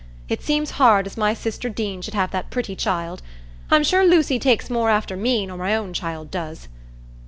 It seems hard as my sister Deane should have that pretty child; I'm sure Lucy takes more after me nor my own child does.